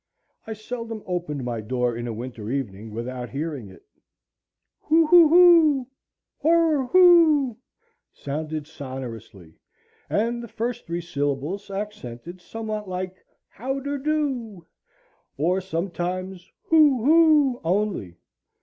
I seldom opened my door in a winter evening without hearing it; Hoo hoo hoo, hoorer, hoo, sounded sonorously, and the first three syllables accented somewhat like how der do; or sometimes hoo hoo only.